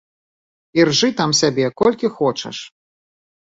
І ржы там сябе колькі хочаш.